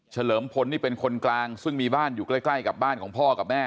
เลิมพลนี่เป็นคนกลางซึ่งมีบ้านอยู่ใกล้กับบ้านของพ่อกับแม่